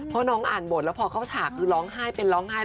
เพราะน้องอ่านบทแล้วพอเข้าฉากคือร้องไห้เป็นร้องไห้